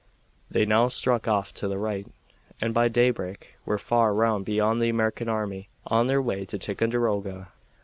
They now struck off to the right, and by daybreak were far round beyond the American army, on their way to Ticonderoga.